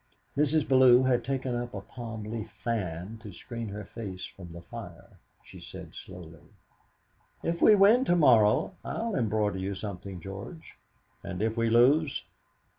Mrs. Bellew had taken up a palm leaf fan to screen her face from the fire. She said slowly: "If we win to morrow I'll embroider you something, George." "And if we lose?"